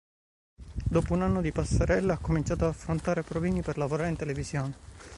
Dopo un anno di passerelle ha cominciato ad affrontare provini per lavorare in televisione.